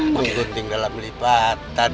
menggunting dalam lipatan